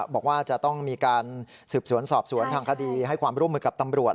บอกว่าจะต้องมีการสืบสวนสอบสวนทางคดีให้ความร่วมมือกับตำรวจ